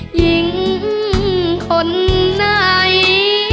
หญิงคนไหน